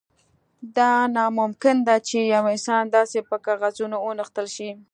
دا ناممکن ده چې یو انسان داسې په کاغذونو ونغښتل شي